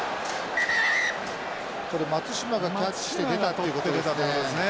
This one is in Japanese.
これ松島がキャッチして出たっていうことですね。